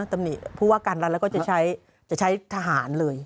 ตำหนิผู้ว่าการรัฐแล้วก็จะใช้ทหารเลย